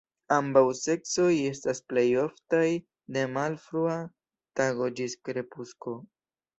Ambaŭ seksoj estas plej oftaj de malfrua tago ĝis krepusko.